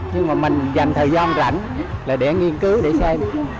nhưng mà mình dành thời gian rảnh là để nghiên cứu để xem